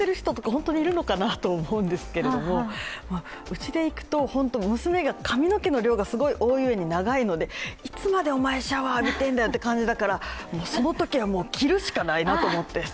本当にいるのかなと思うんですけどうちでいくと、娘が髪の毛の量が多いうえに長いのでいつまでお前、シャワー浴びてるんだという感じなので、そのときは切るしかないなと。